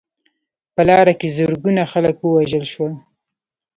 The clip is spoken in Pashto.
په لاره کې زرګونه خلک ووژل شول.